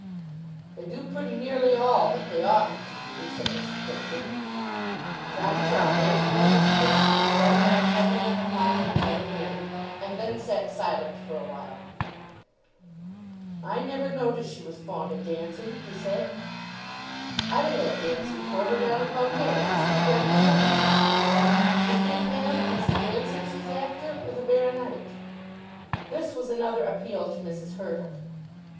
"They do pretty nearly all that they oughtn't to do," said Mrs. Pipkin. John Crumb raised one of his fists, brought it down heavily on the palm of his other hand, and then again sat silent for awhile. "I never knowed as she was fond o' dancing," he said. "I'd a had dancing for her down at Bungay, just as ready as anything. D'ye think, ma'am, it's the dancing she's after, or the baro nite?" This was another appeal to Mrs. Hurtle.